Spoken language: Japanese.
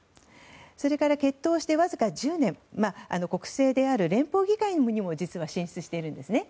それから結党してわずか１０年国政である連邦議会にも実は進出しているんですね。